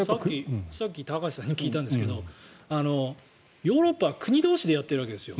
さっき高橋さんに聞いたんですけどヨーロッパは国同士でやってるわけですよ。